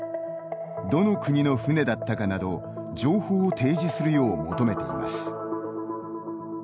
「どの国の船だったか」など情報を提示するよう求めています。